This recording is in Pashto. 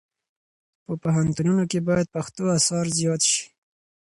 په پوهنتونونو کې باید پښتو اثار زیات شي.